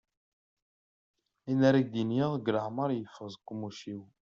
Ayen ara ak-d-iniɣ deg leɛmer yeffeɣ-d seg uqemmuc-iw.